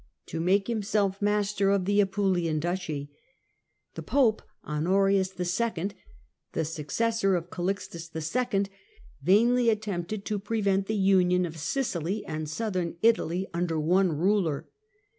to make himself master of the Apulian duchy. The Pope, Honorius II., the successor of Calixtus II., vainly attempted to prevent the union of Sicily and Southern Italy under one ruler.